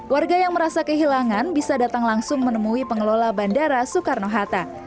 warga yang merasa kehilangan bisa datang langsung menemui pengelola bandara soekarno hatta